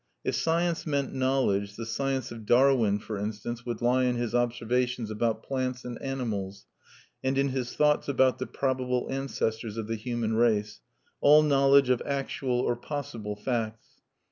If science meant knowledge, the science of Darwin, for instance, would lie in his observations of plants and animals, and in his thoughts about the probable ancestors of the human race all knowledge of actual or possible facts.